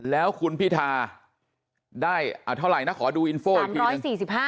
แล้วคุณพิธาได้เท่าไหร่นะขอดูอินโฟอีกที๑๔๕